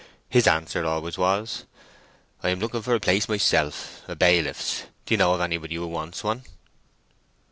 His answer always was,— "I am looking for a place myself—a bailiff's. Do ye know of anybody who wants one?"